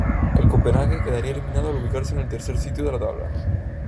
El Copenhague quedaría eliminado al ubicarse en el tercer sitio de la tabla.